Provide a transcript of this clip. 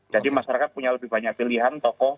jadi masyarakat punya lebih banyak pilihan tokoh